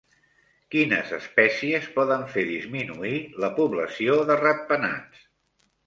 Quines espècies poden fer disminuir la població de ratpenats?